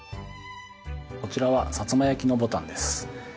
こちらは薩摩焼のボタンです